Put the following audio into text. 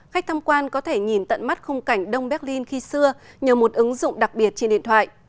khách tham quan có thể nhìn tận mắt khung cảnh đông berlin khi xưa nhờ một ứng dụng đặc biệt trên điện thoại